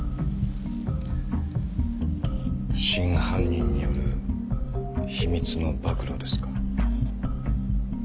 真犯人による秘密の暴露ですか。